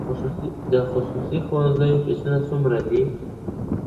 د خصوصي ښوونځیو فیسونه څومره دي؟